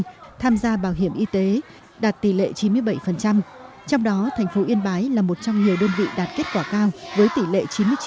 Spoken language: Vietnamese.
người tham gia bảo hiểm y tế đạt tỷ lệ chín mươi bảy trong đó thành phố yên bái là một trong nhiều đơn vị đạt kết quả cao với tỷ lệ chín mươi chín